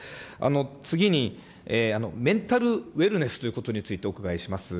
次に、メンタルウェルネスということについてお伺いします。